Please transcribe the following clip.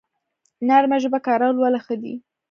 نرمه ژبه کارول ولې ښه دي؟